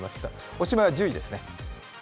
おしまいは１０位ですね。